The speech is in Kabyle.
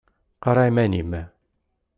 Qareɛ iman-im.